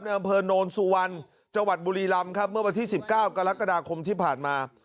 อำเภอโนนสุวรรณจังหวัดบุรีรำครับเมื่อวันที่๑๙กรกฎาคมที่ผ่านมา